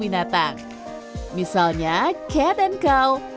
gimana menurut anda apa yang bisa anda lakukan untuk menurut anda